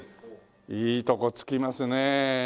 いいとこつきますね。